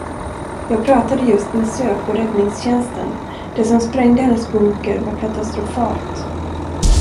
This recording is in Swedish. Jag pratade just med sök och räddningstjänsten, det som sprängde hennes bunker var katastrofalt.